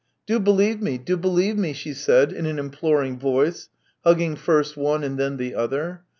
" Do believe me, do believe me," she said in an imploring voice, hugging first one and then the other.